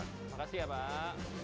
terima kasih ya pak